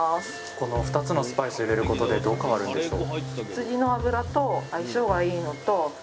この２つのスパイスを入れることでどう変わるんでしょう？